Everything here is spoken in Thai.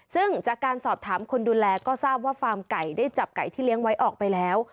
ซึ่งจากการสอบถามคนดูแลก็ทราบว่าฟาร์มไก่ได้จับไก่ที่เลี้ยงไว้ออกไปแล้ว